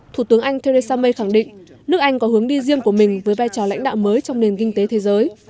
thủ tướng anh theresa may khẳng định nước anh có hướng đi riêng của mình với vai trò lãnh đạo mới trong nền kinh tế thế giới